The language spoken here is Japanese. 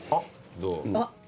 どう？